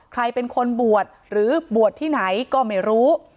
ใครเป็นคนบวชหรือบวชที่ไหนก็ไม่รู้